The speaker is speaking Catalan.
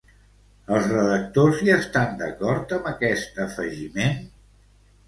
Els redactors hi estan d'acord d'aquest afegiment?